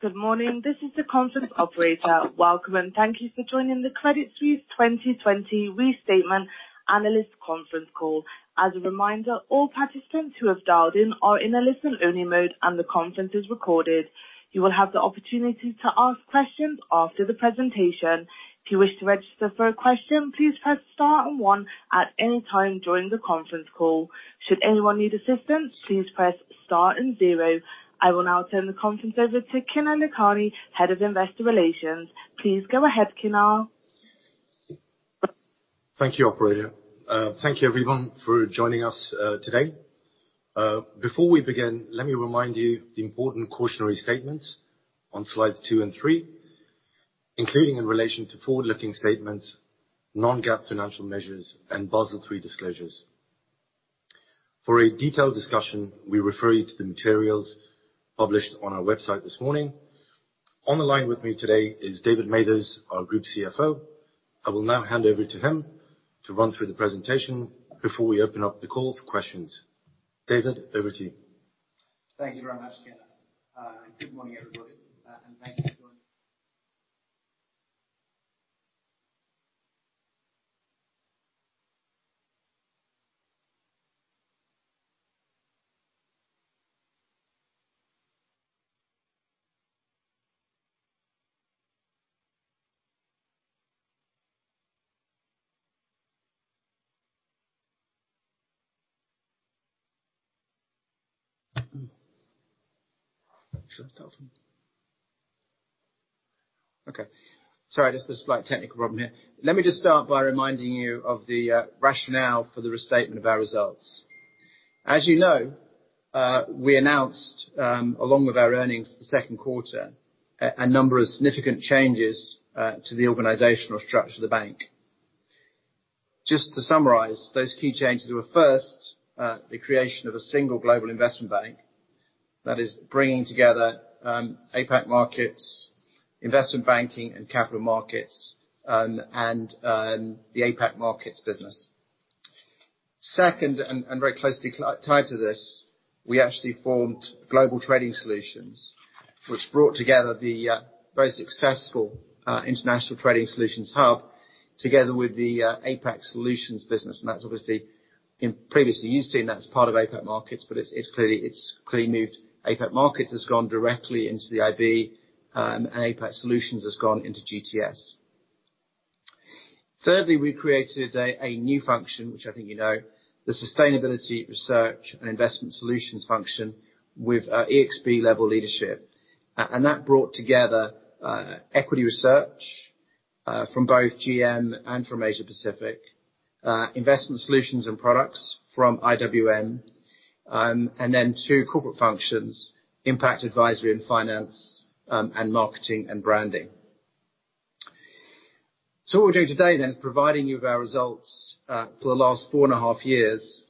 Good morning. This is the conference operator. Welcome, and thank you for joining the Credit Suisse 2020 Restatement Analyst Conference Call. As a reminder, all participants who have dialed in are in a listen-only mode, and the conference is recorded. You will have the opportunity to ask questions after the presentation. If you wish to register for a question, please press star and one at any time during the conference call. Should anyone need assistance, please press star and zero. I will now turn the conference over to Kinner Lakhani, Head of Investor Relations. Please go ahead, Kinner. Thank you, operator. Thank you everyone for joining us today. Before we begin, let me remind you of the important cautionary statements on slides two and three, including in relation to forward-looking statements, non-GAAP financial measures, and Basel III disclosures. For a detailed discussion, we refer you to the materials published on our website this morning. On the line with me today is David Mathers, our Group CFO. I will now hand over to him to run through the presentation before we open up the call for questions. David, over to you. Thank you very much, Kinner. Good morning, everybody, and thank you for joining. Should I start from? Sorry, just a slight technical problem here. Let me just start by reminding you of the rationale for the restatement of our results. As you know, we announced, along with our earnings for the second quarter, a number of significant changes to the organizational structure of the bank. Just to summarize, those key changes were, first, the creation of a single global investment bank that is bringing together APAC markets, investment banking and capital markets, and the APAC markets business. Second, and very closely tied to this, we actually formed Global Trading Solutions, which brought together the very successful International Trading Solutions hub together with the APAC solutions business. That's obviously, previously you've seen that as part of APAC markets, but it's clearly moved. APAC Markets has gone directly into the IB. APAC Solutions has gone into GTS. Thirdly, we created a new function, which I think you know, the Sustainability, Research and Investment Solutions function with ExB level leadership. That brought together equity research from both GM and from Asia Pacific, investment solutions and products from IWM, and then two corporate functions, Impact Advisory and Finance, and marketing and branding. What we're doing today then is providing you with our results for the last four and a half years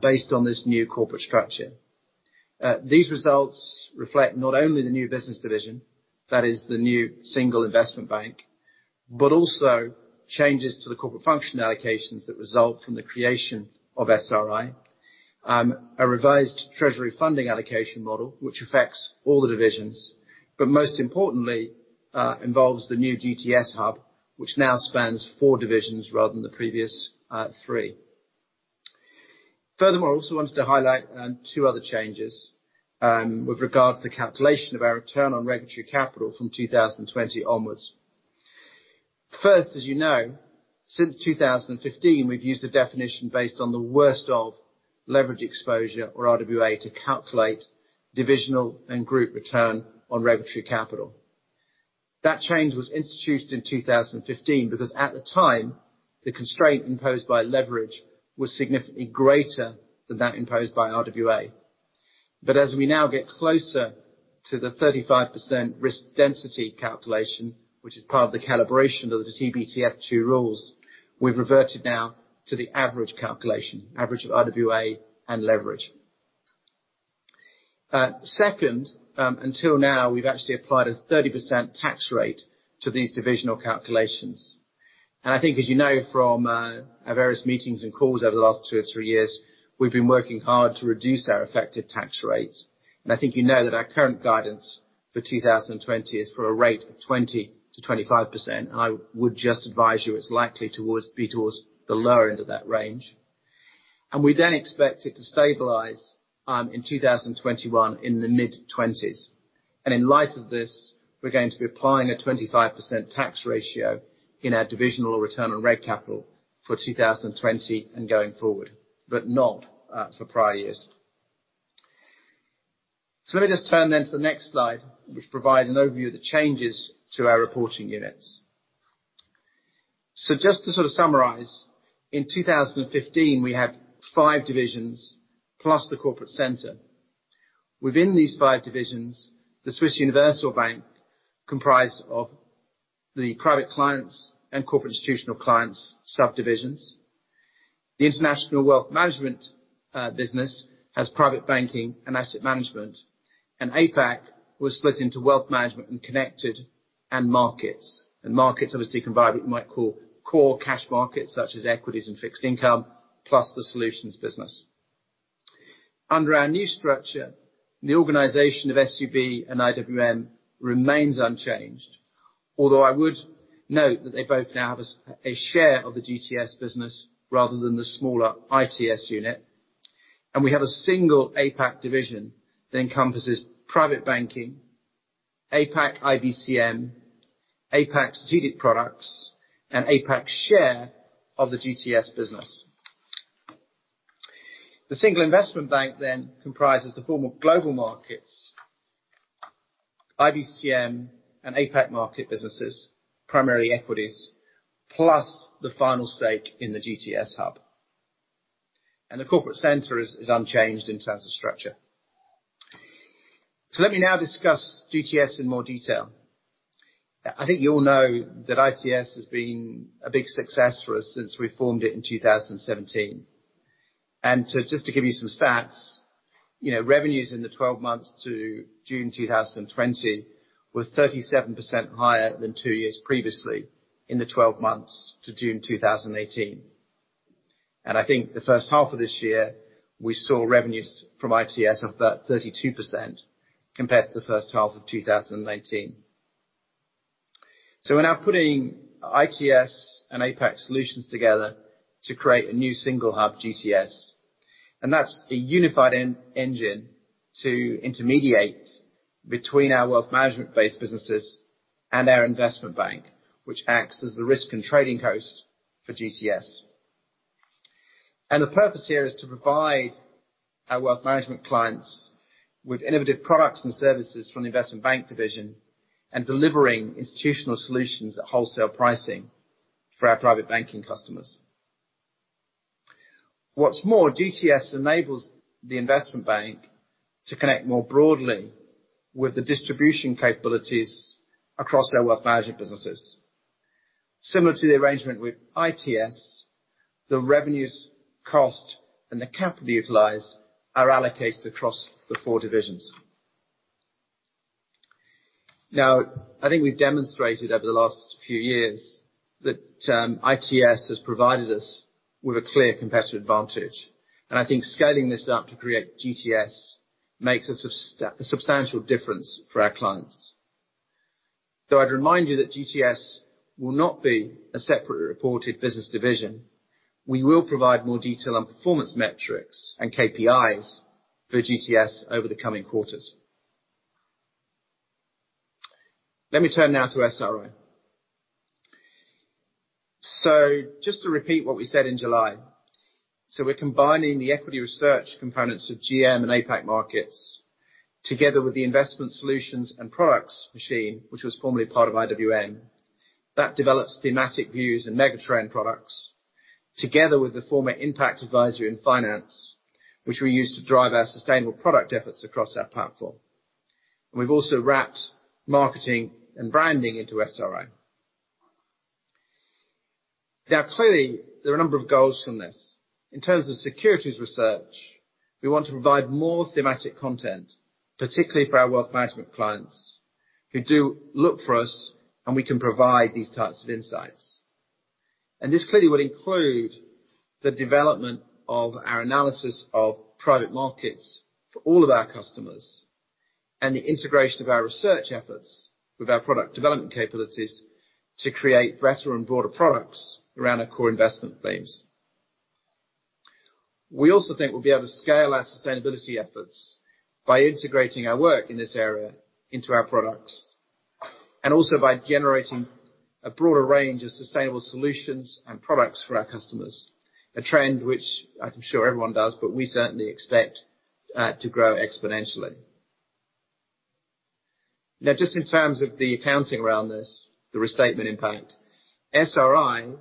based on this new corporate structure. These results reflect not only the new business division, that is the new single Investment Bank, but also changes to the corporate function allocations that result from the creation of SRI, a revised treasury funding allocation model, which affects all the divisions. Most importantly, involves the new GTS hub, which now spans four divisions rather than the previous three. Furthermore, I also wanted to highlight two other changes with regard to the calculation of our Return on Regulatory Capital from 2020 onwards. First, as you know, since 2015, we've used a definition based on the worst of leverage exposure or RWA to calculate divisional and group Return on Regulatory Capital. That change was instituted in 2015 because, at the time, the constraint imposed by leverage was significantly greater than that imposed by RWA. As we now get closer to the 35% risk density calculation, which is part of the calibration of the TBTF2 rules, we've reverted now to the average calculation, average of RWA and leverage. Second, until now, we've actually applied a 30% tax rate to these divisional calculations. I think as you know from our various meetings and calls over the last two or three years, we've been working hard to reduce our effective tax rates. I think you know that our current guidance for 2020 is for a rate of 20% to 25%. I would just advise you it's likely to be towards the lower end of that range. We then expect it to stabilize in 2021 in the mid-20s. In light of this, we're going to be applying a 25% tax ratio in our divisional return on reg capital for 2020 and going forward, but not for prior years. Let me just turn then to the next slide, which provides an overview of the changes to our reporting units. Just to sort of summarize, in 2015, we had five divisions plus the corporate center. Within these five divisions, the Swiss Universal Bank comprised of the private clients and corporate institutional clients subdivisions. The International Wealth Management business has private banking and asset management. APAC was split into Wealth Management and connected and Markets. Markets, obviously, can buy what you might call core cash markets, such as equities and fixed income. Plus the solutions business. Under our new structure, the organization of SUB and IWM remains unchanged. Although I would note that they both now have a share of the GTS business rather than the smaller ITS unit. We have a single APAC division that encompasses private banking, APAC IBCM, APAC strategic products, and APAC's share of the GTS business. The single investment bank then comprises the former Global Markets, IBCM, and APAC Market businesses, primarily equities, plus the final stake in the GTS hub. The corporate center is unchanged in terms of structure. Let me now discuss GTS in more detail. I think you all know that ITS has been a big success for us since we formed it in 2017. Just to give you some stats, revenues in the 12 months to June 2020 were 37% higher than two years previously in the 12 months to June 2018. I think the first half of this year, we saw revenues from ITS of 32% compared to the first half of 2019. We're now putting ITS and APAC solutions together to create a new single hub, GTS. That's a unified engine to intermediate between our wealth management-based businesses and our investment bank, which acts as the risk and trading host for GTS. The purpose here is to provide our Wealth Management clients with innovative products and services from the Investment Bank division, and delivering institutional solutions at wholesale pricing for our private banking customers. What's more, GTS enables the Investment Bank to connect more broadly with the distribution capabilities across our Wealth Management businesses. Similar to the arrangement with ITS, the revenues, cost, and the capital utilized are allocated across the four divisions. I think we've demonstrated over the last few years that ITS has provided us with a clear competitive advantage, and I think scaling this up to create GTS makes a substantial difference for our clients. I'd remind you that GTS will not be a separately reported business division, we will provide more detail on performance metrics and KPIs for GTS over the coming quarters. Let me turn now to SRI. Just to repeat what we said in July. We're combining the equity research components of GM and APAC markets together with the investment solutions and products machine, which was formerly part of IWM. That develops thematic views and megatrend products, together with the former Impact Advisory and Finance, which we use to drive our sustainable product efforts across our platform. We've also wrapped marketing and branding into SRI. Clearly, there are a number of goals from this. In terms of securities research, we want to provide more thematic content, particularly for our wealth management clients who do look for us, and we can provide these types of insights. This clearly would include the development of our analysis of private markets for all of our customers, and the integration of our research efforts with our product development capabilities to create better and broader products around our core investment themes. We also think we'll be able to scale our sustainability efforts by integrating our work in this area into our products. Also by generating a broader range of sustainable solutions and products for our customers. A trend which I'm sure everyone does, but we certainly expect to grow exponentially. Just in terms of the accounting around this, the restatement impact. SRI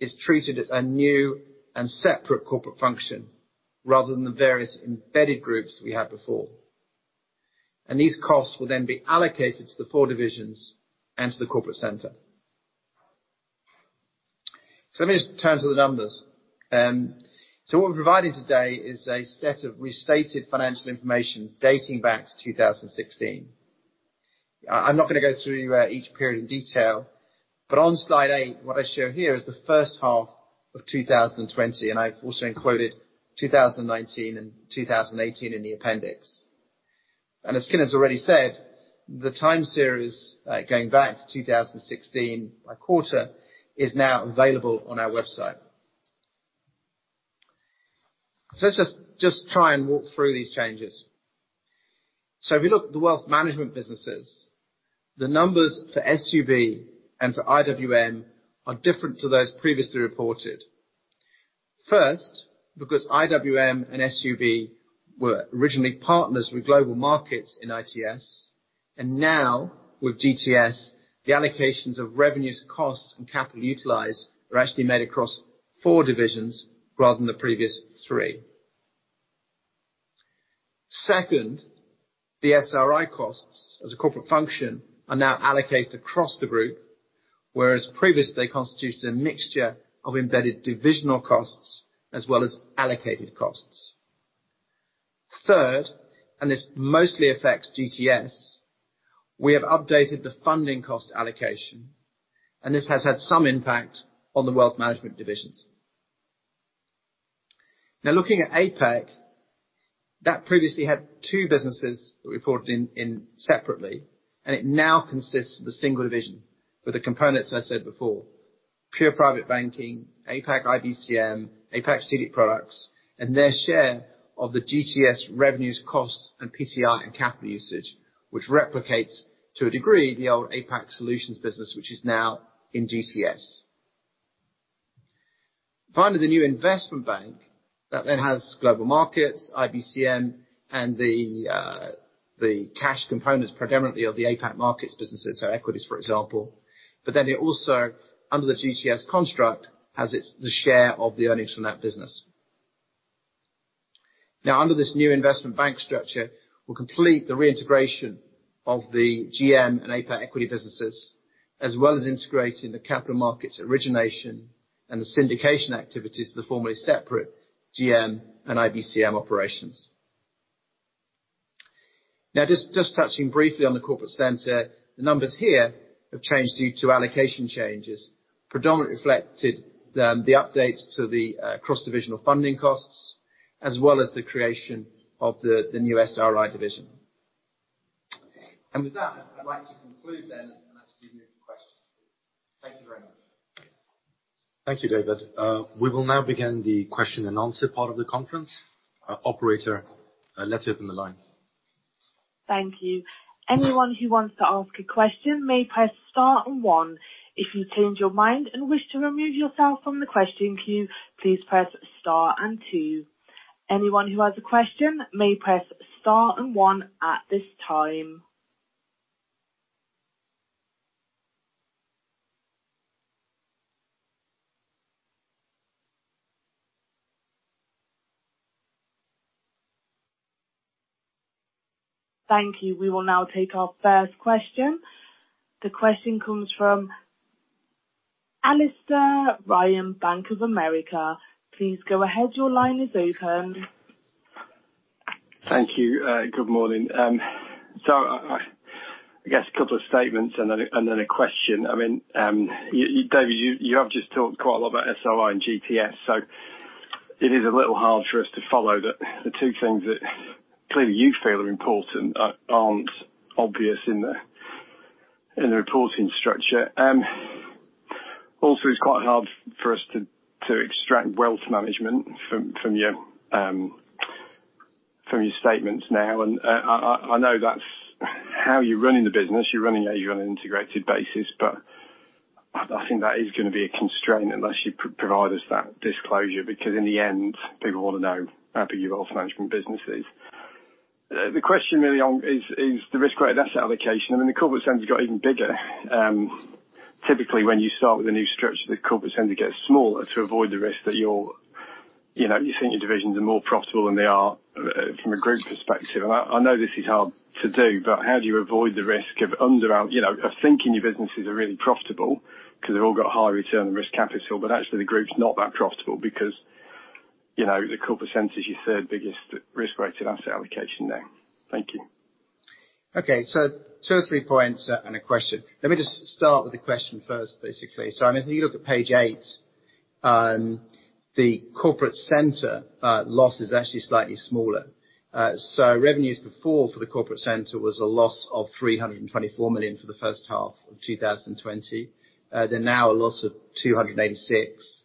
is treated as a new and separate corporate function rather than the various embedded groups we had before. These costs will then be allocated to the four divisions and to the corporate center. Let me just turn to the numbers. What we're providing today is a set of restated financial information dating back to 2016. I'm not going to go through each period in detail, on slide eight, what I show here is the first half of 2020, and I've also included 2019 and 2018 in the appendix. As Kinner has already said, the time series going back to 2016 by quarter is now available on our website. Let's just try and walk through these changes. If you look at the wealth management businesses, the numbers for SUB and for IWM are different to those previously reported. First, because IWM and SUB were originally partners with Global Markets in ITS, and now with GTS, the allocations of revenues, costs, and capital utilized are actually made across four divisions rather than the previous three. Second, the SRI costs as a corporate function are now allocated across the group, whereas previously, they constituted a mixture of embedded divisional costs as well as allocated costs. Third, and this mostly affects GTS, we have updated the funding cost allocation, and this has had some impact on the wealth management divisions. Now looking at APAC, that previously had two businesses that reported in separately, and it now consists of a single division with the components I said before, pure private banking, APAC IBCM, APAC CD products, and their share of the GTS revenues costs and PTI and capital usage, which replicates to a degree the old APAC solutions business, which is now in GTS. Finally, the new investment bank that then has Global Markets, IBCM, and the cash components predominantly of the APAC markets businesses, so equities, for example. It also, under the GTS construct, has the share of the earnings from that business. Under this new investment bank structure, we'll complete the reintegration of the GM and APAC equity businesses, as well as integrating the capital markets origination and the syndication activities of the formerly separate GM and IBCM operations. Just touching briefly on the corporate center, the numbers here have changed due to allocation changes, predominantly reflected the updates to the cross-divisional funding costs, as well as the creation of the new SRI division. With that, I'd like to conclude then and actually move to questions, please. Thank you very much. Thank you, David. We will now begin the question and answer part of the conference. Operator, let's open the line. Thank you. Anyone who wants to ask a question may press star and one. If you change your mind and wish to remove yourself from the question queue, please press star and two. Anyone who has a question may press star and one at this time. Thank you. We will now take our first question. The question comes from Alistair Ryan, Bank of America. Please go ahead. Your line is open. Thank you. Good morning. I guess a couple of statements and then a question. David, you have just talked quite a lot about SRI and GTS, so it is a little hard for us to follow the two things that clearly you feel are important are aren't obvious in the reporting structure. It's quite hard for us to extract wealth management from your statements now. I know that's how you're running the business. You're running it on an integrated basis, but I think that is going to be a constraint unless you provide us that disclosure, because in the end, people want to know how big your wealth management business is. The question really is the risk-weighted asset allocation. I mean, the corporate center's got even bigger. Typically, when you start with a new structure, the corporate center gets smaller to avoid the risk that you're saying your divisions are more profitable than they are from a group perspective. I know this is hard to do, but how do you avoid the risk of thinking your businesses are really profitable because they've all got a high Return on Regulatory Capital, but actually the group's not that profitable because the corporate center is your third biggest risk-weighted asset allocation now. Thank you. Okay. two or three points and a question. Let me just start with the question first, basically. I mean, if you look on page eight, the Corporate Center loss is actually slightly smaller. Revenues before for the Corporate Center was a loss of 324 million for the first half of 2020. They're now a loss of 286.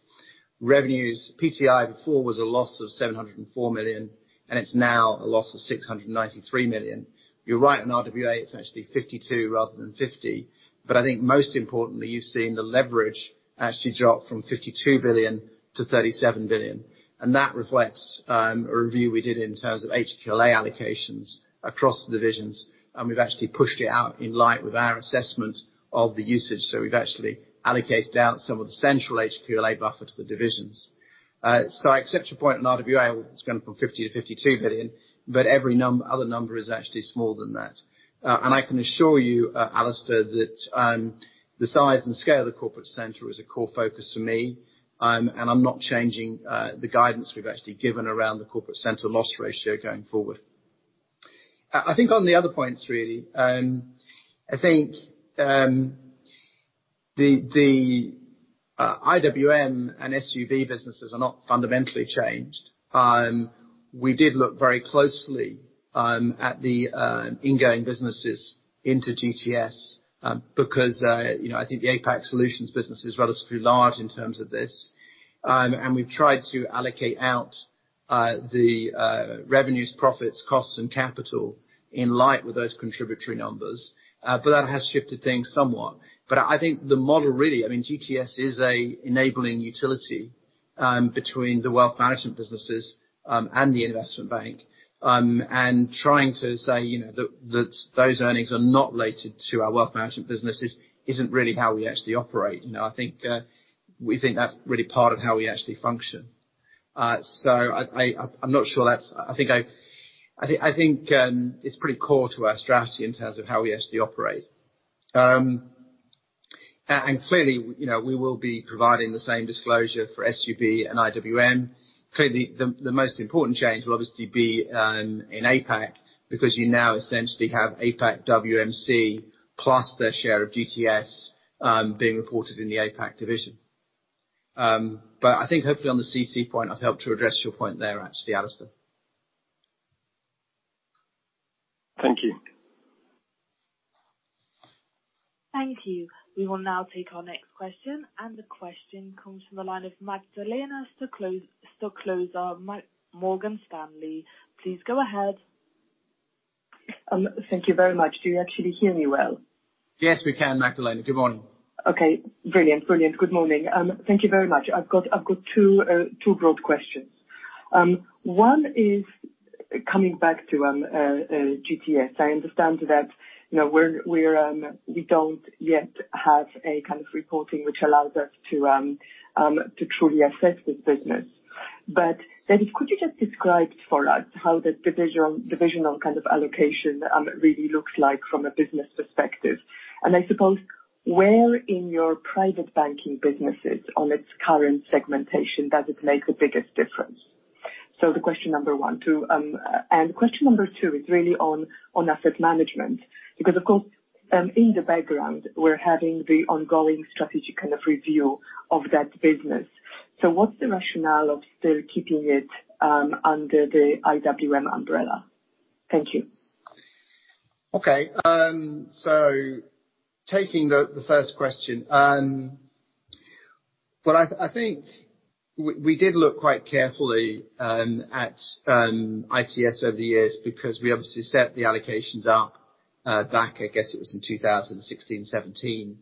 Revenues, PTI before was a loss of 704 million, and it's now a loss of 693 million. You're right, on RWA, it's actually 52 rather than 50. I think most importantly, you've seen the leverage actually drop from 52 billion-37 billion. That reflects a review we did in terms of HQLA allocations across the divisions, and we've actually pushed it out in light with our assessment of the usage. We've actually allocated out some of the central HQLA buffer to the divisions. I accept your point on RWA. It's gone from 50 billion-52 billion, every other number is actually smaller than that. I can assure you, Alistair, that the size and scale of the corporate center is a core focus for me, I'm not changing the guidance we've actually given around the corporate center loss ratio going forward. I think on the other points, really, I think the IWM and SUB businesses are not fundamentally changed. We did look very closely at the ingoing businesses into GTS because I think the APAC solutions business is relatively large in terms of this. We've tried to allocate out the revenues, profits, costs, and capital in light with those contributory numbers. That has shifted things somewhat. I think the model really, I mean, GTS is a enabling utility between the wealth management businesses and the investment bank. Trying to say that those earnings are not related to our wealth management businesses isn't really how we actually operate. We think that's really part of how we actually function. I'm not sure that's. I think it's pretty core to our strategy in terms of how we actually operate. Clearly, we will be providing the same disclosure for SUB and IWM. Clearly, the most important change will obviously be in APAC, because you now essentially have APAC WMC plus their share of GTS being reported in the APAC division. I think hopefully on the CC point, I've helped to address your point there, actually, Alistair. Thank you. Thank you. We will now take our next question. The question comes from the line of Magdalena Stoklosa, Morgan Stanley. Please go ahead. Thank you very much. Do you actually hear me well? Yes, we can, Magdalena. Good morning. Okay. Brilliant. Good morning. Thank you very much. I've got two broad questions. One is coming back to GTS. I understand that we don't yet have a kind of reporting which allows us to truly assess this business. David Mathers, could you just describe for us how the divisional kind of allocation really looks like from a business perspective? I suppose where in your private banking businesses on its current segmentation does it make the biggest difference? So the question number one. Question number two is really on asset management, because, of course, in the background, we're having the ongoing strategic kind of review of that business. What's the rationale of still keeping it under the IWM umbrella? Thank you. Okay. Taking the first question. I think we did look quite carefully at ITS over the years because we obviously set the allocations up back, I guess it was in 2016, 2017.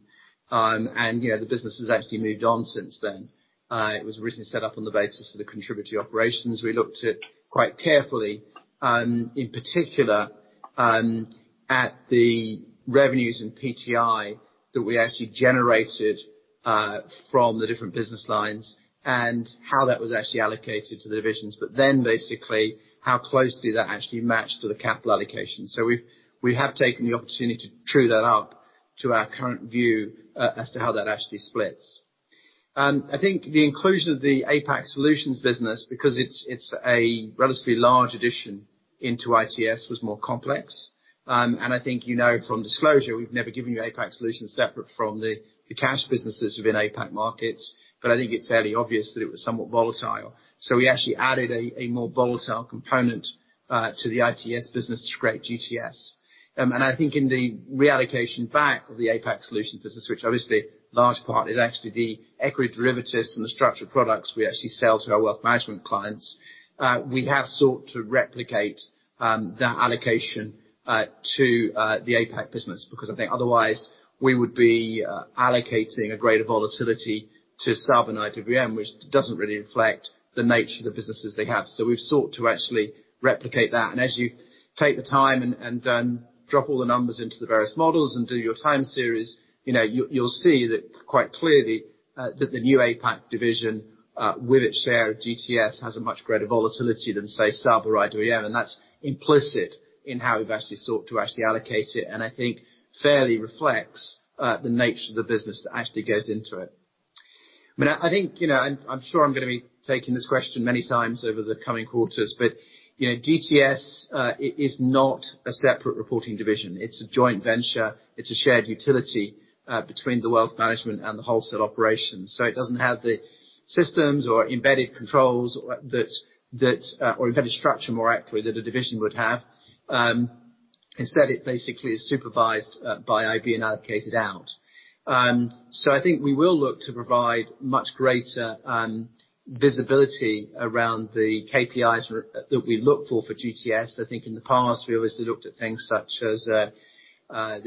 The business has actually moved on since then. It was originally set up on the basis of the contributing operations. We looked at quite carefully, in particular, at the revenues in PTI that we actually generated from the different business lines and how that was actually allocated to the divisions. Basically how closely that actually matched to the capital allocation. We have taken the opportunity to true that up to our current view as to how that actually splits. I think the inclusion of the APAC solutions business, because it is a relatively large addition into ITS, was more complex. I think you know from disclosure, we've never given you APAC solutions separate from the cash businesses within APAC markets. I think it's fairly obvious that it was somewhat volatile. We actually added a more volatile component to the ITS business to create GTS. I think in the reallocation back of the APAC solutions business, which obviously large part is actually the equity derivatives and the structured products we actually sell to our wealth management clients. We have sought to replicate that allocation to the APAC business, because I think otherwise we would be allocating a greater volatility to SUB and IWM, which doesn't really reflect the nature of the businesses they have. We've sought to actually replicate that. As you take the time and drop all the numbers into the various models and do your time series, you'll see that quite clearly that the new APAC division with its share of GTS has a much greater volatility than, say, SUB or IWM, and that's implicit in how we've actually sought to actually allocate it and I think fairly reflects the nature of the business that actually goes into it. I'm sure I'm going to be taking this question many times over the coming quarters, but GTS is not a separate reporting division. It's a joint venture. It's a shared utility between the wealth management and the wholesale operations. It doesn't have the systems or embedded controls or embedded structure, more accurately, that a division would have. Instead, it basically is supervised by IB and allocated out. I think we will look to provide much greater visibility around the KPIs that we look for GTS. I think in the past, we obviously looked at things such as the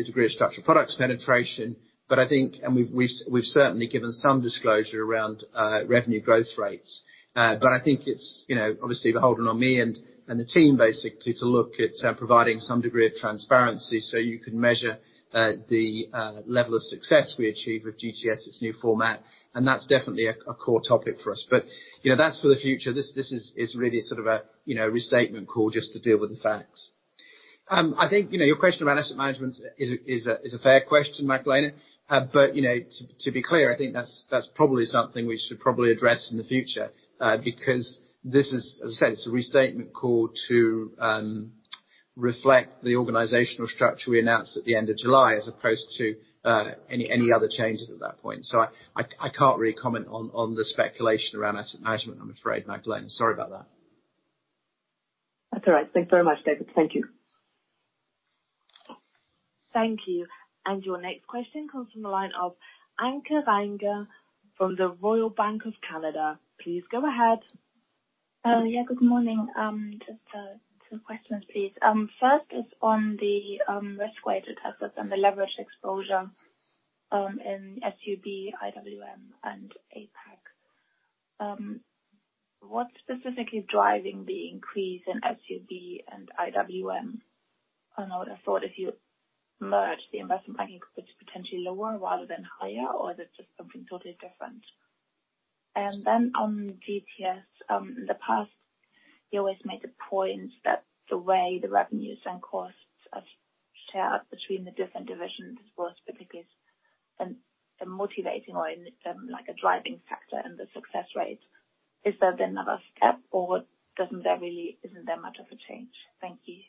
degree of structured products penetration. We've certainly given some disclosure around revenue growth rates. I think it's obviously beholden on me and the team basically to look at providing some degree of transparency so you can measure the level of success we achieve with GTS, its new format. That's definitely a core topic for us. That's for the future. This is really sort of a restatement call just to deal with the facts. I think your question around asset management is a fair question, Magdalena. To be clear, I think that's probably something we should probably address in the future, because this is, as I said, it's a restatement call to reflect the organizational structure we announced at the end of July, as opposed to any other changes at that point. I can't really comment on the speculation around asset management, I'm afraid, Magdalena. Sorry about that. That's all right. Thanks very much, David. Thank you. Thank you. Your next question comes from the line of Anke Reingen from the Royal Bank of Canada. Please go ahead. Yeah, good morning. Just some questions, please. First is on the risk-weighted assets and the leverage exposure in SUB, IWM and APAC. What's specifically driving the increase in SUB and IWM? I know the thought if you merge the investment banking could be potentially lower rather than higher, or is it just something totally different? On GTS, in the past, you always made the point that the way the revenues and costs are shared between the different divisions was particularly a motivating or a driving factor in the success rate. Is there another step, or isn't there much of a change? Thank you.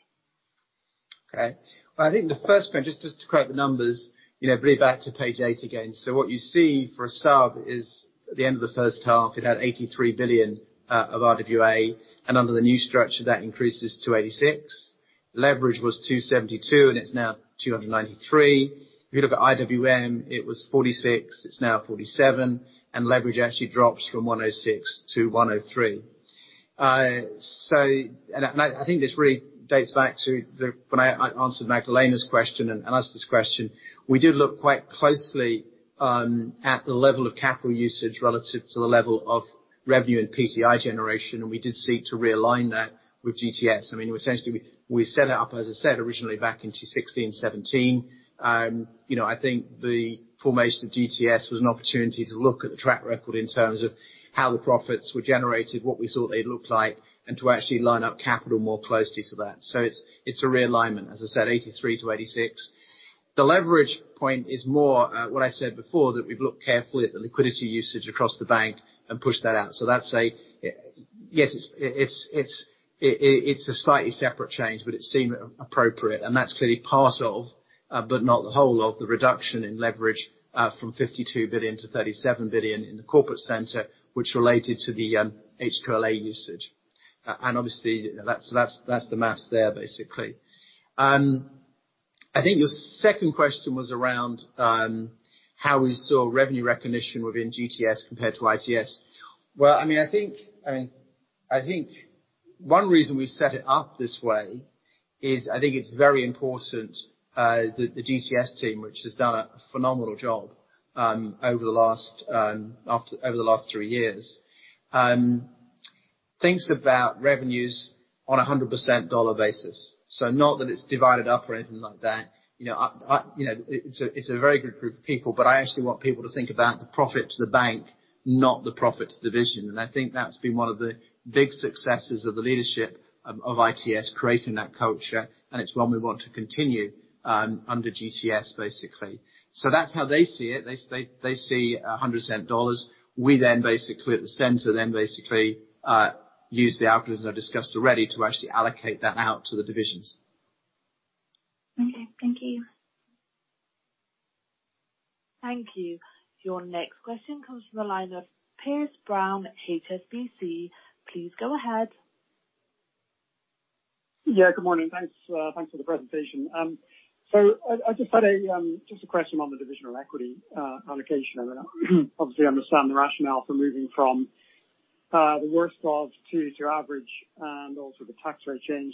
Okay. Well, I think the first point, just to create the numbers, bring it back to page eight again. What you see for a SUB is at the end of the first half, it had 83 billion of RWA, and under the new structure, that increases to 86. Leverage was 272, and it's now 293. If you look at IWM, it was 46, it's now 47, and leverage actually drops from 106-103. I think this really dates back to when I answered Magdalena's question and Alistair's question. We did look quite closely at the level of capital usage relative to the level of revenue and PTI generation, and we did seek to realign that with GTS. Essentially, we set it up, as I said, originally back in 2016 and 2017. I think the formation of GTS was an opportunity to look at the track record in terms of how the profits were generated, what we thought they'd look like, and to actually line up capital more closely to that. It's a realignment. As I said, 83-86. The leverage point is more what I said before, that we've looked carefully at the liquidity usage across the bank and pushed that out. Yes, it's a slightly separate change, but it seemed appropriate, and that's clearly part of, but not the whole of, the reduction in leverage from 52 billion-37 billion in the corporate center, which related to the HQLA usage. Obviously, that's the maths there, basically. I think your second question was around how we saw revenue recognition within GTS compared to ITS. Well, I think one reason we've set it up this way is I think it's very important that the GTS team, which has done a phenomenal job over the last three years, thinks about revenues on 100% dollar basis. Not that it's divided up or anything like that. It's a very good group of people, but I actually want people to think about the profit to the bank, not the profit to division. I think that's been one of the big successes of the leadership of ITS creating that culture, and it's one we want to continue under GTS, basically. That's how they see it. They see 100% dollars. We then basically at the center use the outputs, as I discussed already, to actually allocate that out to the divisions. Okay. Thank you. Thank you. Your next question comes from the line of Piers Brown at HSBC. Please go ahead. Yeah, good morning. Thanks for the presentation. I just had a question on the divisional equity allocation. I obviously understand the rationale for moving from the worst of to average and also the tax rate change.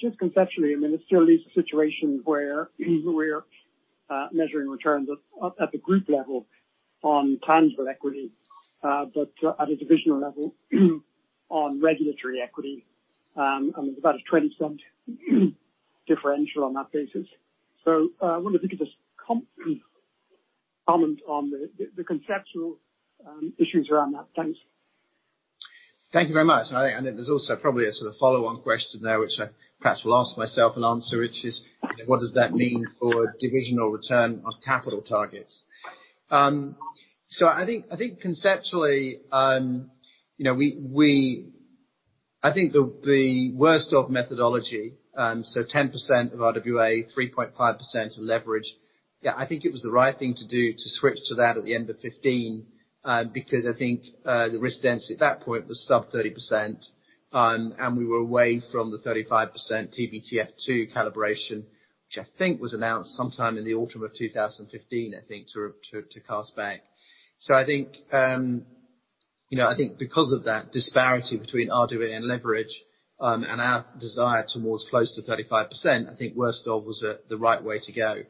Just conceptually, it still leaves a situation where we're measuring returns up at the group level on tangible equity, but at a divisional level on regulatory equity. There's about a 0.20 differential on that basis. I wonder if you could just comment on the conceptual issues around that. Thanks. Thank you very much. I think there's also probably a sort of follow-on question there, which I perhaps will ask myself and answer, which is: what does that mean for divisional return on capital targets? I think conceptually, the worst of methodology, 10% of RWA, 3.5% of leverage, I think it was the right thing to do to switch to that at the end of 2015, because I think the risk density at that point was sub 30%, and we were away from the 35% TBTF2 calibration, which I think was announced sometime in the autumn of 2015, I think, to cast back. I think because of that disparity between RWA and leverage, and our desire towards close to 35%, I think worst of was the right way to go.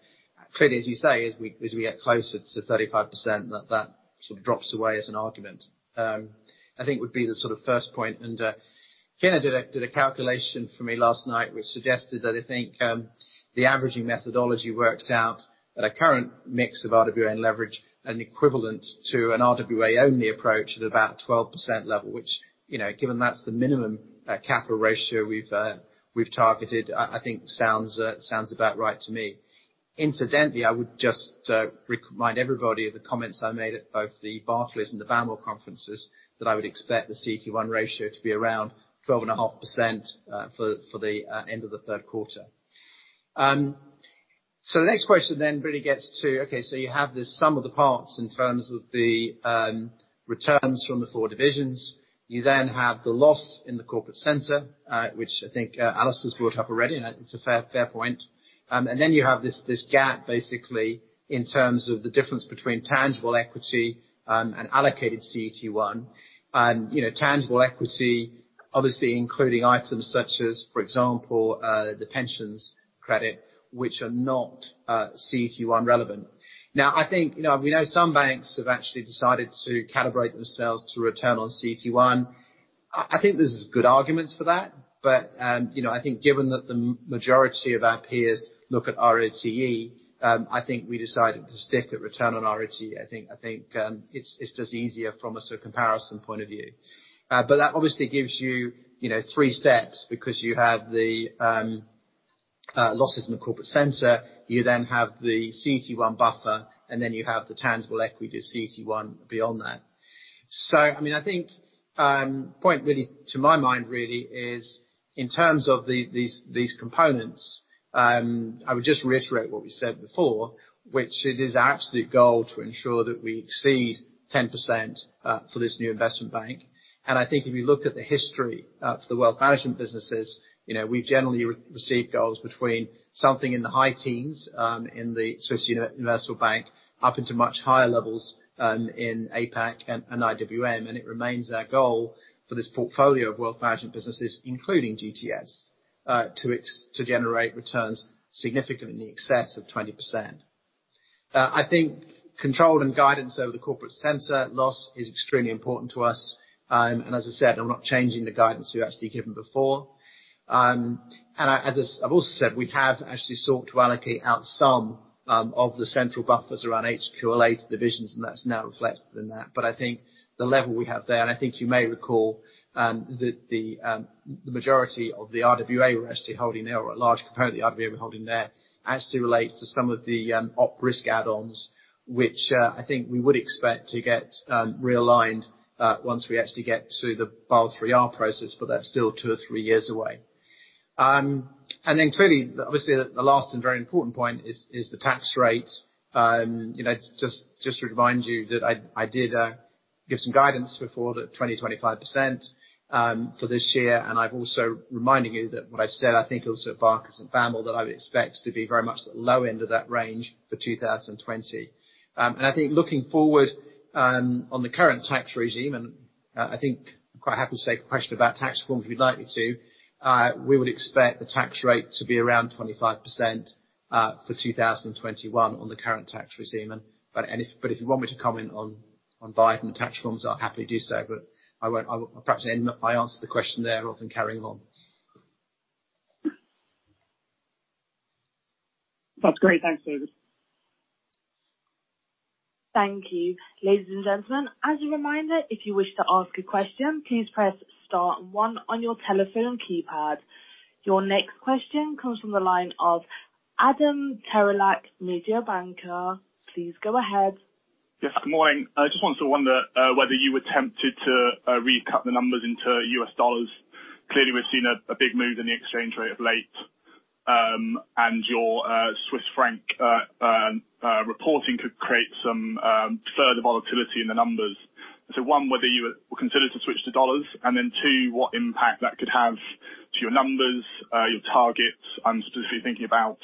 Clearly, as you say, as we get closer to 35%, that sort of drops away as an argument. I think would be the sort of first point. Kinner did a calculation for me last night, which suggested that I think the averaging methodology works out at a current mix of RWA and leverage and equivalent to an RWA-only approach at about 12% level, which, given that's the minimum capital ratio we've targeted, I think sounds about right to me. Incidentally, I would just remind everybody of the comments I made at both the Barclays and the BAML conferences, that I would expect the CET1 ratio to be around 12.5% for the end of the third quarter. The next question then really gets to, okay, you have this sum of the parts in terms of the returns from the four divisions. You then have the loss in the corporate center, which I think Alice has brought up already, and it's a fair point. Then you have this gap, basically, in terms of the difference between tangible equity and allocated CET1. Tangible equity, obviously including items such as, for example, the pensions credit, which are not CET1 relevant. Now, we know some banks have actually decided to calibrate themselves to return on CET1. I think there's good arguments for that. I think given that the majority of our peers look at ROTE, I think we decided to stick at return on ROTE. I think it's just easier from a sort of comparison point of view. That obviously gives you three steps, because you have the losses in the corporate center, you then have the CET1 buffer, and then you have the tangible equity CET1 beyond that. I think the point to my mind really is in terms of these components, I would just reiterate what we said before, which it is our absolute goal to ensure that we exceed 10% for this new investment bank. I think if you looked at the history of the wealth management businesses, we generally receive goals between something in the high teens, in the Swiss Universal Bank, up into much higher levels in APAC and IWM. It remains our goal for this portfolio of wealth management businesses, including GTS, to generate returns significantly in excess of 20%. I think control and guidance over the corporate center loss is extremely important to us. As I said, I'm not changing the guidance we've actually given before. I've also said we have actually sought to allocate out some of the central buffers around HQLA divisions, and that's now reflected in that. I think the level we have there, and I think you may recall, that the majority of the RWA we're actually holding there, or a large component of the RWA we're holding there, actually relates to some of the op risk add-ons, which I think we would expect to get realigned, once we actually get to the Basel III process, but that's still two or three years away. Clearly, obviously, the last and very important point is the tax rate. Just to remind you that I did give some guidance before the 20%-25% for this year, and I'm also reminding you that what I've said, I think also at Barclays and BAML, that I would expect to be very much at the low end of that range for 2020. I think looking forward on the current tax regime, and I think I'm quite happy to take a question about tax reforms if you'd like me to. We would expect the tax rate to be around 25% for 2021 on the current tax regime. If you want me to comment on Biden tax reforms, I'll happily do so. Perhaps I answer the question there rather than carrying on. That's great. Thanks, David. Thank you. Ladies and gentlemen, as a reminder, if you wish to ask a question, please press star one on your telephone keypad. Your next question comes from the line of Adam Sherlock, Mediobanca. Please go ahead. Yes, good morning. I just wanted to wonder whether you were tempted to recut the numbers into U.S. dollars. Clearly, we've seen a big move in the exchange rate of late. Your Swiss franc reporting could create some further volatility in the numbers. One, whether you would consider to switch to dollars. Then two, what impact that could have to your numbers, your targets. I'm specifically thinking about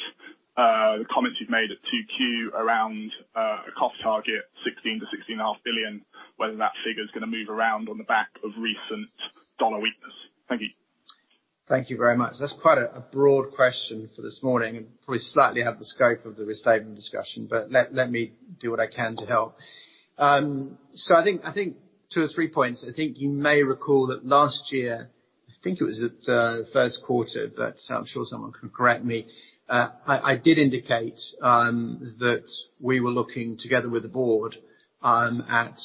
the comments you've made at 2Q around a cost target 16 billion-16.5 billion, whether that figure is going to move around on the back of recent Dollar weakness. Thank you. Thank you very much. That's quite a broad question for this morning and probably slightly out of the scope of the restatement discussion. Let me do what I can to help. I think two or three points. I think you may recall that last year, I think it was at first quarter, but I'm sure someone can correct me. I did indicate that we were looking together with the board at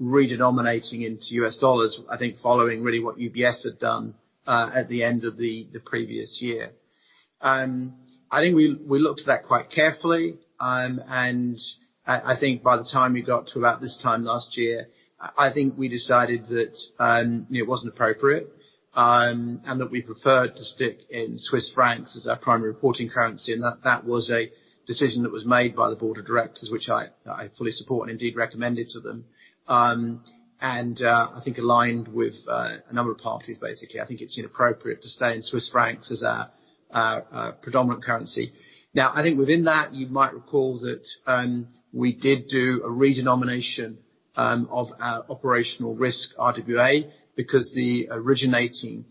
re-denominating into US dollars, I think following really what UBS had done at the end of the previous year. I think we looked at that quite carefully. I think by the time we got to about this time last year, I think we decided that it wasn't appropriate. That we preferred to stick in Swiss francs as our primary reporting currency, and that was a decision that was made by the board of directors, which I fully support and indeed recommended to them. I think aligned with a number of parties, basically. I think it's inappropriate to stay in Swiss francs as our predominant currency. Now, I think within that, you might recall that we did do a re-denomination of our operational risk RWA because the originating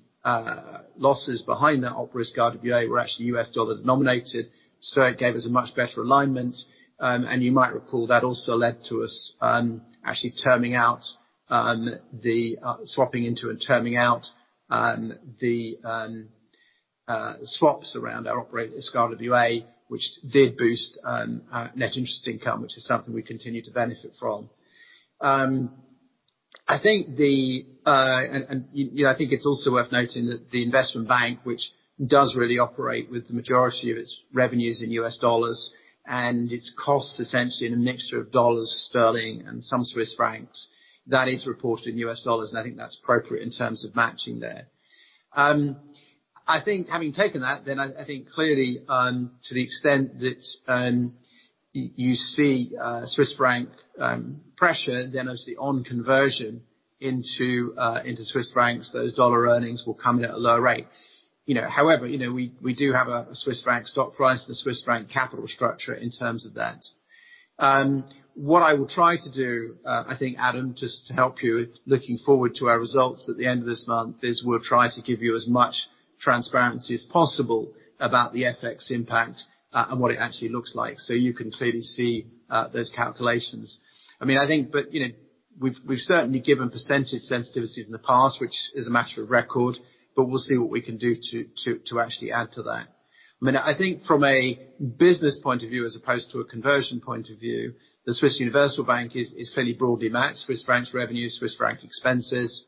losses behind that op risk RWA were actually US dollar denominated, so it gave us a much better alignment. You might recall that also led to us actually swapping into and terming out the swaps around our operational RWA, which did boost our net interest income, which is something we continue to benefit from. I think it's also worth noting that the investment bank, which does really operate with the majority of its revenues in dollars and its costs essentially in a mixture of dollars, GBP, and some CHF. That is reported in U.S. dollars, I think that's appropriate in terms of matching there. I think having taken that, I think clearly to the extent that you see CHF pressure, obviously on conversion into CHF, those dollar earnings will come in at a lower rate. However, we do have a CHF stock price and a CHF capital structure in terms of that. What I will try to do, I think, Adam, just to help you, looking forward to our results at the end of this month, is we'll try to give you as much transparency as possible about the FX impact, and what it actually looks like. You can clearly see those calculations. We've certainly given percentage sensitivities in the past, which is a matter of record, but we'll see what we can do to actually add to that. I think from a business point of view as opposed to a conversion point of view, the Swiss Universal Bank is fairly broadly matched, Swiss franc revenue, Swiss franc expenses.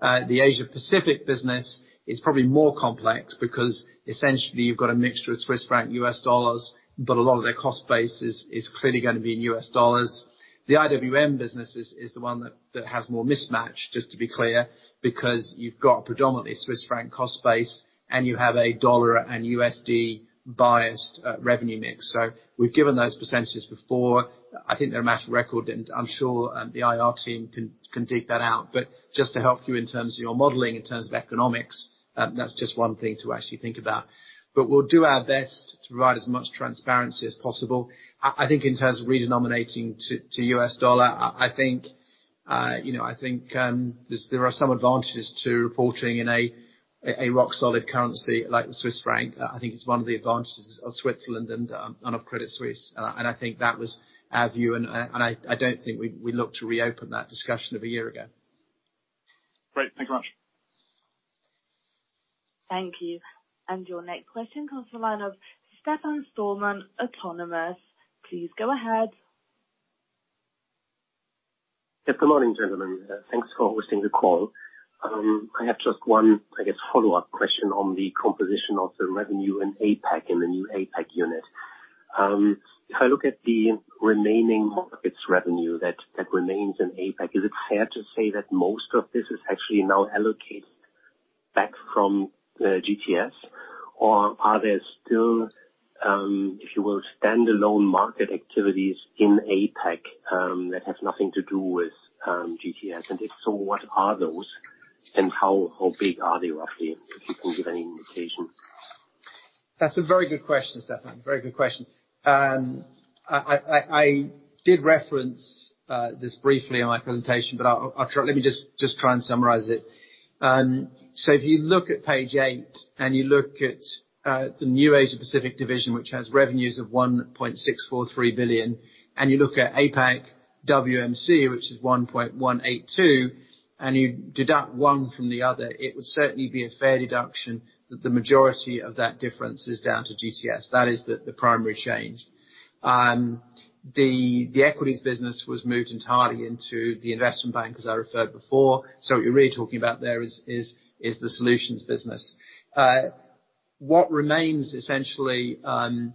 The Asia Pacific business is probably more complex because essentially you've got a mixture of Swiss franc U.S. dollars, but a lot of their cost base is clearly going to be in U.S. dollars. The IWM business is the one that has more mismatch, just to be clear, because you've got predominantly Swiss franc cost base, and you have a dollar and USD-biased revenue mix. We've given those percentages before. I think they're a matter of record, and I'm sure the IR team can dig that out. Just to help you in terms of your modeling, in terms of economics, that's just one thing to actually think about. We'll do our best to provide as much transparency as possible. I think in terms of re-denominating to U.S. dollar, I think there are some advantages to reporting in a rock-solid currency like the Swiss franc. I think it's one of the advantages of Switzerland and of Credit Suisse. I think that was our view, and I don't think we look to reopen that discussion of a year ago. Great. Thank you much. Thank you. Your next question comes from the line of Stefan Stallmann, Autonomous. Please go ahead. Good morning, gentlemen. Thanks for hosting the call. I have just one, I guess, follow-up question on the composition of the revenue in APAC, in the new APAC unit. If I look at the remaining markets revenue that remains in APAC, is it fair to say that most of this is actually now allocated back from GTS? Or are there still, if you will, standalone market activities in APAC that have nothing to do with GTS? If so, what are those and how big are they, roughly? If you can give any indication. That's a very good question, Stefan. Very good question. I did reference this briefly in my presentation, but let me just try and summarize it. If you look at page eight and you look at the new Asia Pacific Division, which has revenues of 1.643 billion, and you look at APAC WMC, which is 1.182 billion, and you deduct one from the other, it would certainly be a fair deduction that the majority of that difference is down to GTS. That is the primary change. The equities business was moved entirely into the investment bank, as I referred before. What you're really talking about there is the solutions business. What remains essentially from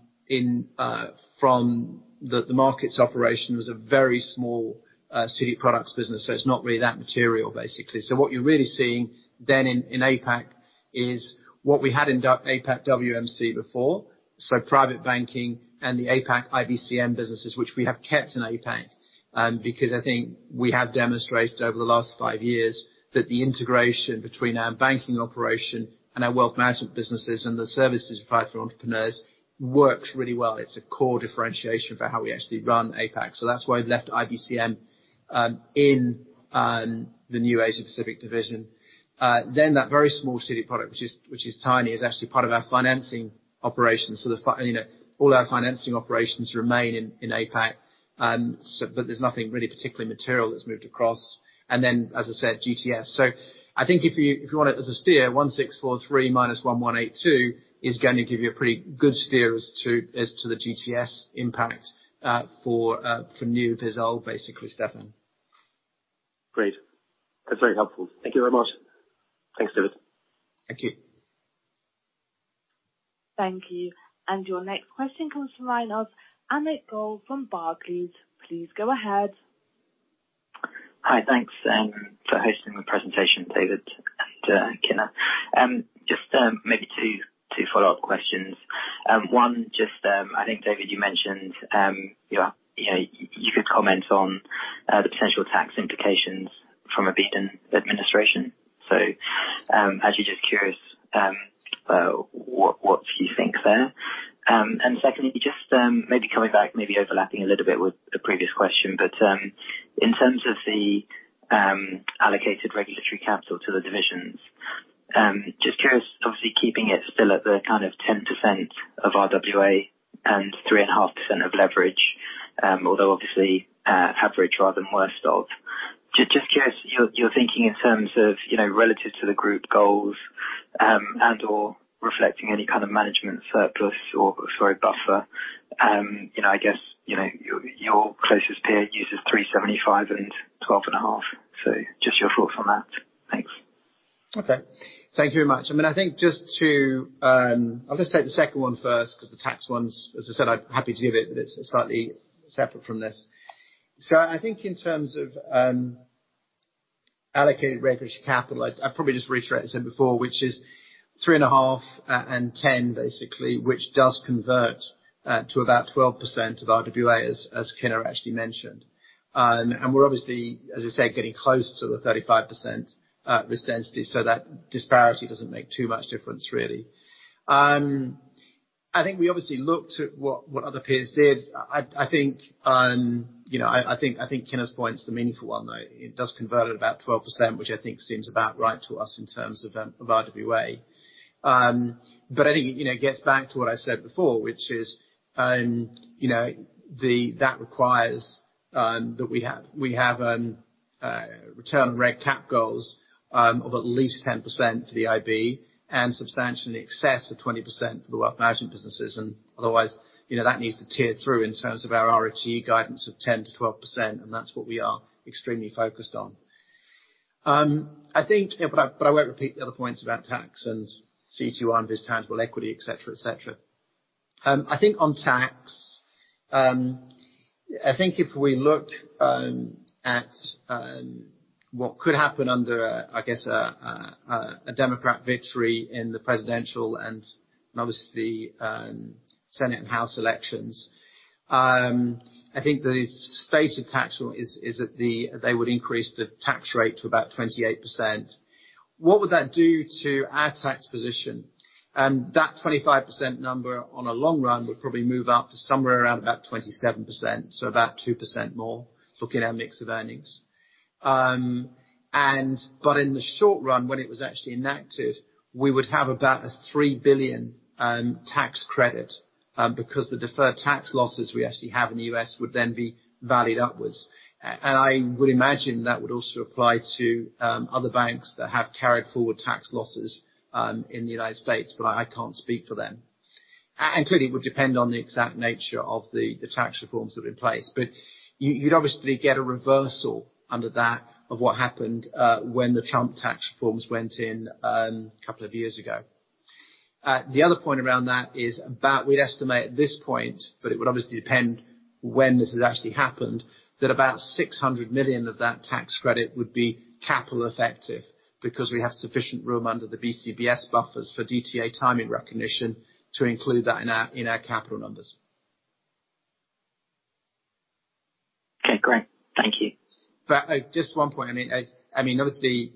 the markets operation was a very small CD products business. It's not really that material, basically. What you're really seeing then in APAC is what we had in APAC WMC before. Private banking and the APAC IBCM businesses, which we have kept in APAC. I think we have demonstrated over the last five years that the integration between our banking operation and our wealth management businesses and the services we provide for entrepreneurs works really well. It's a core differentiation for how we actually run APAC. That's why we've left IBCM in the new Asia Pacific division. That very small CD product, which is tiny, is actually part of our financing operations. All our financing operations remain in APAC. There's nothing really particularly material that's moved across. As I said, GTS. I think if you want it as a steer, 1,643 minus 1,182 is going to give you a pretty good steer as to the GTS impact for new vessel, basically, Stefan. Great. That's very helpful. Thank you very much. Thanks, David. Thank you. Thank you. Your next question comes from the line of Amit Goel from Barclays. Please go ahead. Hi. Thanks for hosting the presentation, David and Kinner. Just maybe two follow-up questions. One, just I think, David, you mentioned you could comment on the potential tax implications from a Biden administration. Actually just curious what you think there. Secondly, just maybe coming back, maybe overlapping a little bit with the previous question, but in terms of the allocated regulatory capital to the divisions, just curious, obviously keeping it still at the kind of 10% of RWA and 3.5% of leverage, although obviously average rather than worst of, just curious your thinking in terms of relative to the group goals and/or reflecting any kind of management surplus or buffer. I guess your closest peer uses 3.75 and 12.5. Just your thoughts on that. Thanks. Thank you very much. I'll just take the second one first, because the tax ones, as I said, I'm happy to give it, but it's slightly separate from this. I think in terms of allocated regulatory capital, I'll probably just reiterate I said before, which is 3.5 and 10, basically, which does convert to about 12% of RWA, as Kinner actually mentioned. We're obviously, as I said, getting close to the 35% risk density, so that disparity doesn't make too much difference, really. I think we obviously looked at what other peers did. I think Kinner's point is the meaningful one, though. It does convert at about 12%, which I think seems about right to us in terms of RWA. It gets back to what I said before, which is that requires that we have Return on reg cap goals of at least 10% for the IB and substantially excess of 20% for the wealth management businesses. Otherwise, that needs to tier through in terms of our ROTE guidance of 10%-12%, and that's what we are extremely focused on. I won't repeat the other points about tax and CTR and tangible equity, et cetera. I think on tax, if we look at what could happen under, I guess, a Democrat victory in the presidential and obviously Senate and House elections, I think the stated tax rule is that they would increase the tax rate to about 28%. What would that do to our tax position? That 25% number on a long run would probably move up to somewhere around about 27%, so about 2% more looking at our mix of earnings. In the short run, when it was actually enacted, we would have about a $3 billion tax credit because the deferred tax losses we actually have in the U.S. would then be valued upwards. I would imagine that would also apply to other banks that have carried forward tax losses in the United States, but I can't speak for them. Clearly, it would depend on the exact nature of the tax reforms that are in place. You'd obviously get a reversal under that of what happened when the Trump tax reforms went in a couple of years ago. The other point around that is that we'd estimate at this point, it would obviously depend when this has actually happened, that about 600 million of that tax credit would be capital effective because we have sufficient room under the BCBS buffers for DTA timing recognition to include that in our capital numbers. Okay, great. Thank you. Just one point. Obviously,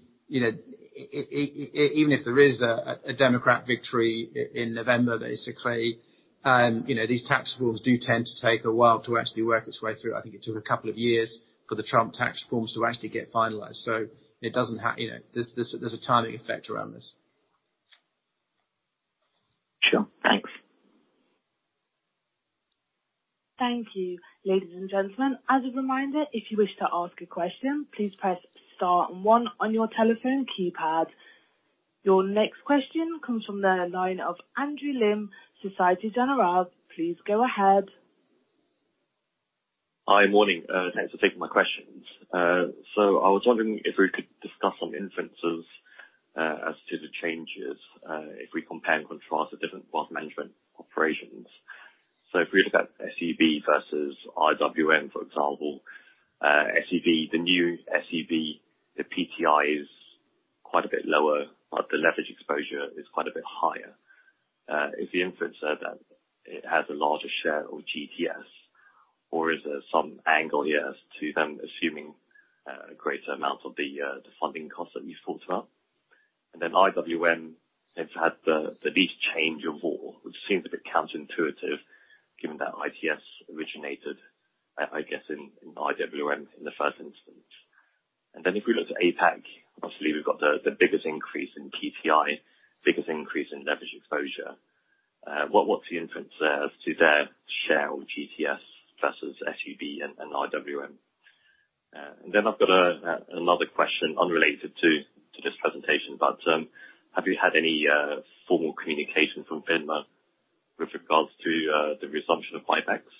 even if there is a Democrat victory in November, basically, these tax rules do tend to take a while to actually work its way through. I think it took a couple of years for the Trump tax reforms to actually get finalized. There's a timing effect around this. Sure. Thanks. Thank you. Ladies and gentlemen, as a reminder, if you wish to ask a question, please press star one on your telephone keypad. Your next question comes from the line of Andrew Lim, Societe Generale. Please go ahead. Hi. Morning. Thanks for taking my questions. I was wondering if we could discuss on the inferences as to the changes, if we compare and contrast the different wealth management operations. If we look at SUB versus IWM, for example, the new SUB, the PTI is quite a bit lower, but the leverage exposure is quite a bit higher. Is the inference there that it has a larger share of GTS, or is there some angle here as to them assuming a greater amount of the funding cost that you've talked about? IWM, it's had the least change of all, which seems a bit counterintuitive given that ITS originated, I guess, in IWM in the first instance. If we look at APAC, obviously we've got the biggest increase in PTI, biggest increase in leverage exposure. What's the inference there as to their share of GTS versus SUB and IWM? I've got another question unrelated to this presentation, but have you had any formal communication from FINMA with regards to the resumption of buybacks?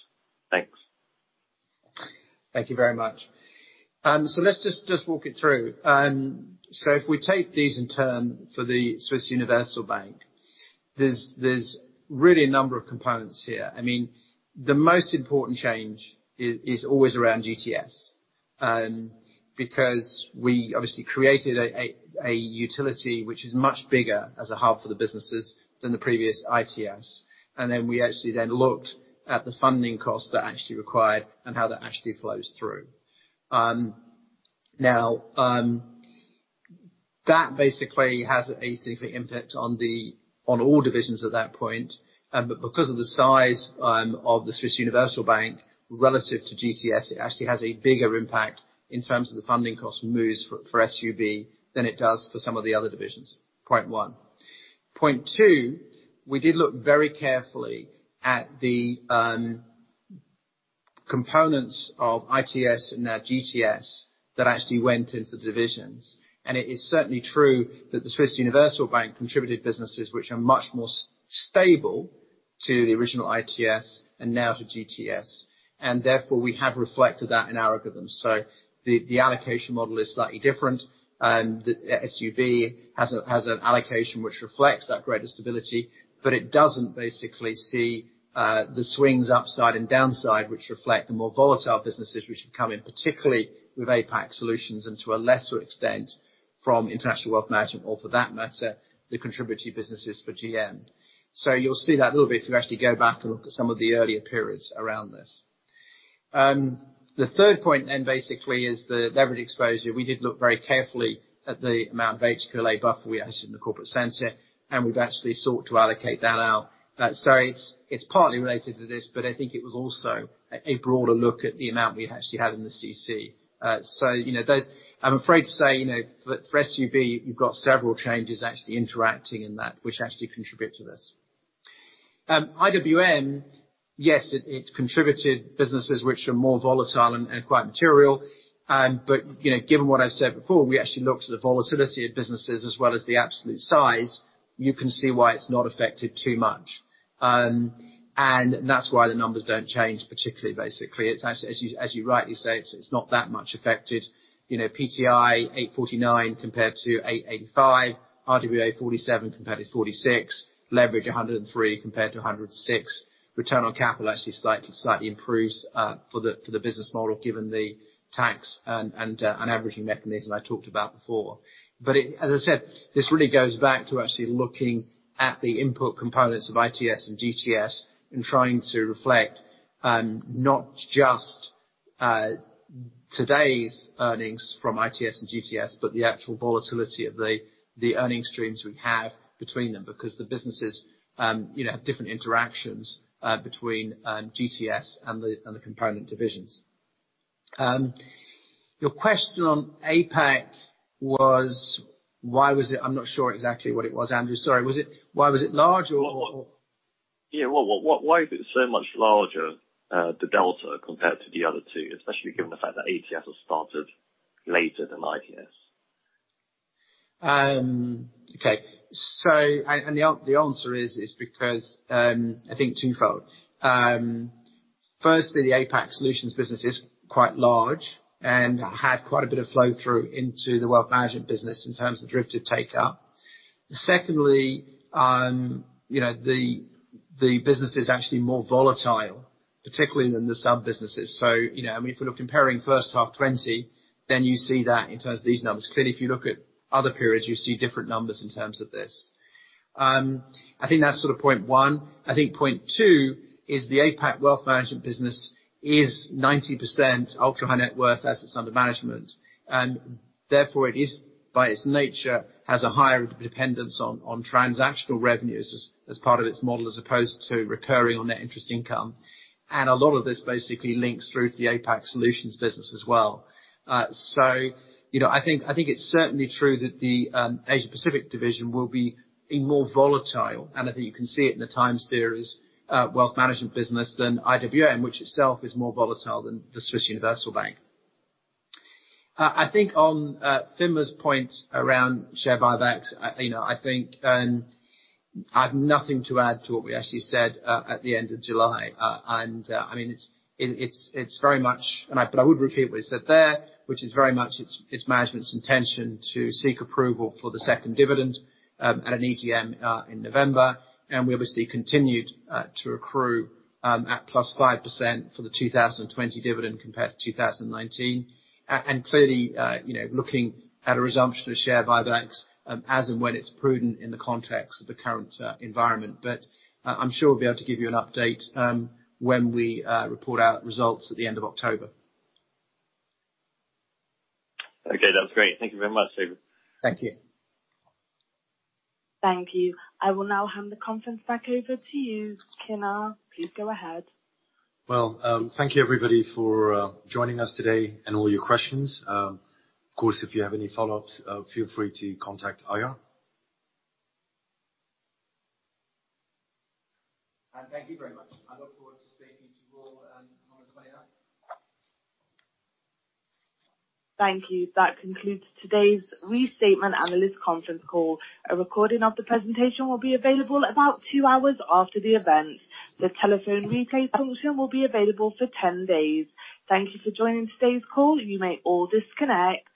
Thanks. Thank you very much. Let's just walk it through. If we take these in turn for the Swiss Universal Bank, there's really a number of components here. The most important change is always around GTS. We obviously created a utility which is much bigger as a hub for the businesses than the previous ITS. We actually looked at the funding cost that actually required and how that actually flows through. That basically has a significant impact on all divisions at that point. Because of the size of the Swiss Universal Bank relative to GTS, it actually has a bigger impact in terms of the funding cost moves for SUB than it does for some of the other divisions. Point one. Point two, we did look very carefully at the components of ITS and now GTS that actually went into the divisions. It is certainly true that the Swiss Universal Bank contributed businesses which are much more stable to the original ITS and now to GTS, and therefore we have reflected that in our algorithms. The allocation model is slightly different. The SUB has an allocation which reflects that greater stability, but it doesn't basically see the swings upside and downside which reflect the more volatile businesses which have come in, particularly with APAC solutions and to a lesser extent from international wealth management, or for that matter, the contributory businesses for GM. You'll see that a little bit if you actually go back and look at some of the earlier periods around this. The third point basically is the leverage exposure. We did look very carefully at the amount of HQLA buffer we actually had in the corporate center, and we've actually sought to allocate that out. It's partly related to this, but I think it was also a broader look at the amount we actually had in the CC. I'm afraid to say, for SUB, you've got several changes actually interacting in that, which actually contribute to this. IWM, yes, it contributed businesses which are more volatile and quite material. Given what I've said before, we actually looked at the volatility of businesses as well as the absolute size. You can see why it's not affected too much. That's why the numbers don't change particularly, basically. As you rightly say, it's not that much affected. PTI 849 compared to 885. RWA 47 compared to 46. Leverage 103 compared to 106. Return on capital actually slightly improves for the business model, given the tax and averaging mechanism I talked about before. As I said, this really goes back to actually looking at the input components of ITS and GTS and trying to reflect not just today's earnings from ITS and GTS, but the actual volatility of the earning streams we have between them. Because the businesses have different interactions between GTS and the component divisions. Your question on APAC was, I'm not sure exactly what it was, Andrew. Sorry. Was it, why was it large or? Why was it so much larger, the delta, compared to the other two? Especially given the fact that APAC was started later than ITS. Okay. The answer is because, I think twofold. Firstly, the APAC Solutions business is quite large and had quite a bit of flow-through into the wealth management business in terms of derivative take-up. Secondly, the business is actually more volatile, particularly than the SUB businesses. If we're comparing first half 2020, then you see that in terms of these numbers. Clearly, if you look at other periods, you see different numbers in terms of this. I think that's point one. I think point two is the APAC Wealth Management business is 90% ultra high net worth assets under management. Therefore, it is by its nature, has a higher dependence on transactional revenues as part of its model, as opposed to recurring on net interest income. A lot of this basically links through to the APAC Solutions business as well. I think it's certainly true that the Asia Pacific division will be more volatile, and I think you can see it in the time series wealth management business than IWM, which itself is more volatile than the Swiss Universal Bank. I think on FINMA's point around share buybacks, I think I have nothing to add to what we actually said at the end of July. I would repeat what he said there, which is very much it's management's intention to seek approval for the second dividend at an EGM in November. We obviously continued to accrue at +5% for the 2020 dividend compared to 2019. Clearly, looking at a resumption of share buybacks as and when it's prudent in the context of the current environment. I'm sure we'll be able to give you an update when we report our results at the end of October. Okay. That's great. Thank you very much, David. Thank you. Thank you. I will now hand the conference back over to you, Kinner. Please go ahead. Well, thank you everybody for joining us today and all your questions. Of course, if you have any follow-ups, feel free to contact IR. Thank you very much. I look forward to speaking to you all on the 29th. Thank you. That concludes today's Restatement Analyst Conference Call. A recording of the presentation will be available about two hours after the event. The telephone replay function will be available for 10 days. Thank you for joining today's call. You may all disconnect.